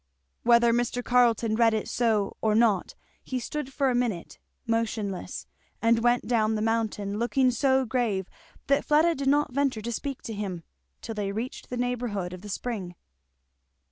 '" Whether Mr. Carleton read it so or not, he stood for a minute motionless and went down the mountain looking so grave that Fleda did not venture to speak to him, till they reached the neighbourhood of the spring.